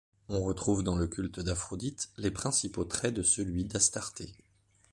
On retrouve dans le culte d'Aphrodite les principaux traits de celui d'Astarté.